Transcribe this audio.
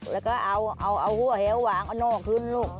แล้วก็เอาหัวแหววางเอานอกขึ้นลูก